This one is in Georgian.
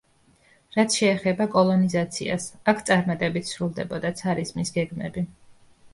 რაც შეეხება კოლონიზაციას, აქ წარმატებით სრულდებოდა ცარიზმის გეგმები.